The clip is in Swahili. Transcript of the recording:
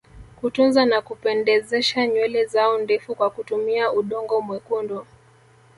Kutunza na kupendezesha nywele zao ndefu kwa kutumia udongo mwekundu